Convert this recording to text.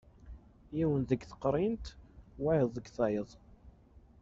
Yiwen deg teqrint, wayeḍ deg tayeḍ.